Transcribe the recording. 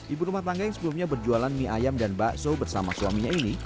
ibu rumah tangga yang sebelumnya berjualan mie ayam dan bakso bersama suaminya ini